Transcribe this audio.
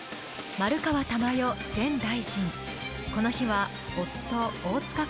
丸川珠代前大臣。